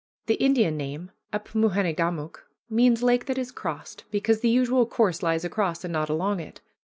The Indian name, Apmoojenegamook, means lake that is crossed, because the usual course lies across and not along it.